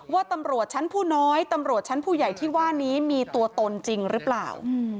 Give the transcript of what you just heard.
ว่าตำรวจชั้นผู้น้อยตำรวจชั้นผู้ใหญ่ที่ว่านี้มีตัวตนจริงหรือเปล่า